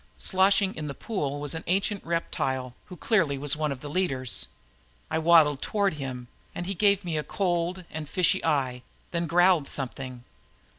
Sloshing in the pool was an ancient reptile who clearly was one of the leaders. I waddled toward him and he gave me a cold and fishy eye, then growled something.